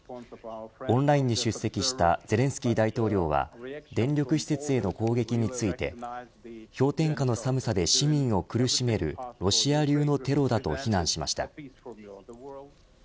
オンラインに出席したゼレンスキー大統領は電力施設への攻撃について氷点下の寒さで市民を苦しめるロシア流のテロだと非難しました。